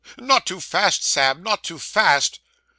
Not too fast, Sam; not too fast.